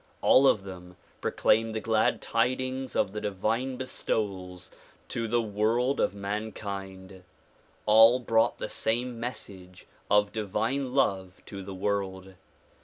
All of them proclaimed the glad tidings of the divine bestowals to the world of mankind. All brought the same message of divine love to the world.